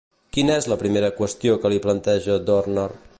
Quina és la primera qüestió que li planteja Dörner?